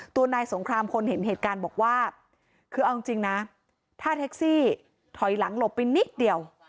นายสงครามคนเห็นเหตุการณ์บอกว่าคือเอาจริงนะถ้าแท็กซี่ถอยหลังหลบไปนิดเดียว